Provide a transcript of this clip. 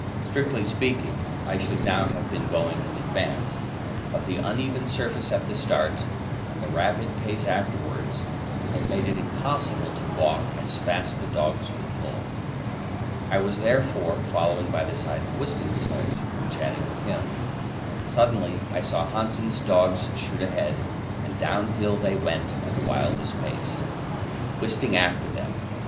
Strictly speaking, I should now have been going in advance, but the uneven surface at the start and the rapid pace afterwards had made it impossible to walk as fast the dogs could pull. I was therefore following by the side of Wisting's sledge, and chatting with him. Suddenly I saw Hanssen's dogs shoot ahead, and downhill they went at the wildest pace, Wisting after them.